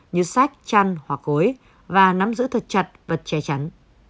như sách chăn hỏa cối và nắm giữ thật chặt vật che chắn